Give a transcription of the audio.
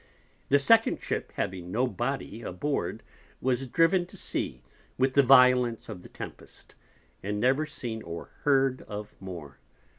The second Ship having no body aboard, was driven to Sea, with the Violence of the Tempest, and never seen or heard of more.